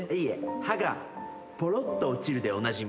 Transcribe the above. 歯がぽろっと落ちるでおなじみ。